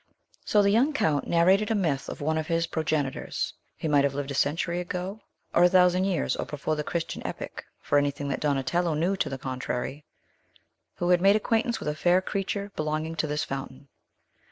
So the young Count narrated a myth of one of his Progenitors, he might have lived a century ago, or a thousand years, or before the Christian epoch, for anything that Donatello knew to the contrary, who had made acquaintance with a fair creature belonging to this fountain.